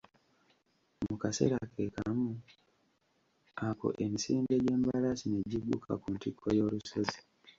Mu kaseera ke kamu ako emisinde gy'embalaasi ne gigguka ku ntikko y'olusozi.